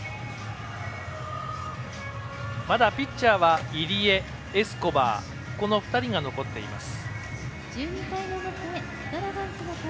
まだピッチャーは入江エスコバー、この２人が残っています。